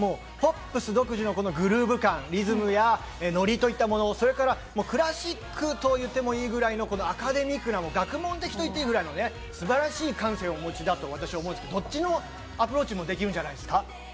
ポップス独自のグルーヴ感、リズムやノリといったもの、それからクラシックといってもいいぐらいのアカデミックな学問的と言っていいぐらいの素晴らしい感性をお持ちだと私は思うんですけど、どっちのアプローチもできるんじゃないですか？